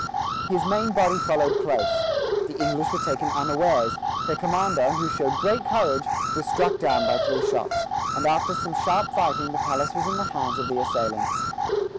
His main body followed close. The English were taken unawares; their commander, who showed great courage, was struck down by three shots, and after some sharp fighting the place was in the hands of the assailants.